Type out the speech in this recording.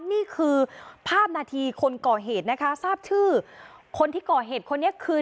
นี่คือภาพนาทีคนก่อเหตุนะคะทราบชื่อคนที่ก่อเหตุคนนี้คือ